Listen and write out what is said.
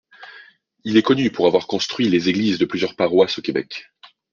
Il est connu pour avoir construit les églises de plusieurs paroisses au Québec.